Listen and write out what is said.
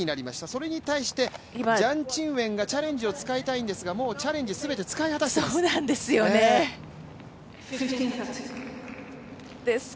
それに対してジャン・チンウェンがチャレンジを使いたいんですが、もうチャレンジ、全て使い果たしています。